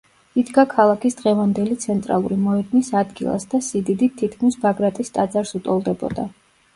იდგა ქალაქის დღევანდელი ცენტრალური მოედნის ადგილას და სიდიდით თითქმის ბაგრატის ტაძარს უტოლდებოდა.